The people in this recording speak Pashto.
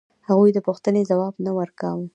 هغوی د پوښتنې ځواب نه ورکاوه.